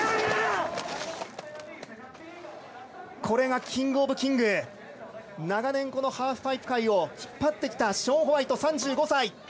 これがキングオブキング長年、ハーフパイプ界を引っ張ってきたショーン・ホワイト、３５歳。